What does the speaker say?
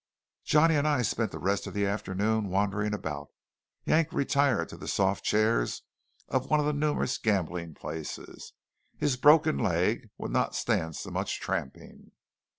Johnny and I spent the rest of the afternoon wandering about. Yank retired to the soft chairs of one of the numerous gambling places. His broken leg would not stand so much tramping.